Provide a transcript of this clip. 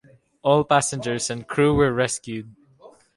All passengers and crew were rescued.